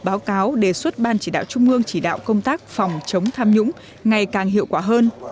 báo cáo đề xuất ban chỉ đạo trung ương chỉ đạo công tác phòng chống tham nhũng ngày càng hiệu quả hơn